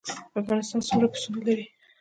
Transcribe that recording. افغانستان څومره پسونه لري؟